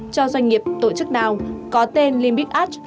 cho doanh nghiệp tổ chức nào có tên limit edge